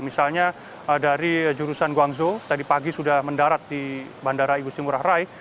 misalnya dari jurusan guangzhou tadi pagi sudah mendarat di bandara igusti ngurah rai